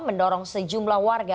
mendorong sejumlah warga